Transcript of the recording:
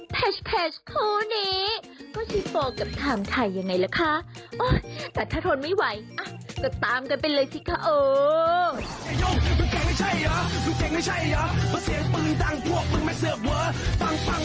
ปังการะมังสักผ่าฟังเดลาผ่าแซการะมัง